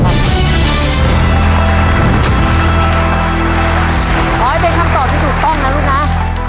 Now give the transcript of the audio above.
ขอให้เป็นคำตอบที่ถูกต้องนะลูกนะ